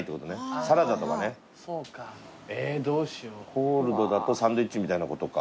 コールドだとサンドイッチみたいなことか。